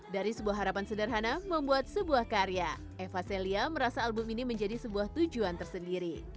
dari sebuah harapan sederhana membuat sebuah karya eva celia merasa album ini menjadi sebuah tujuan tersendiri